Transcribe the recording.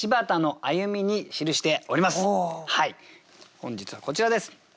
本日はこちらです。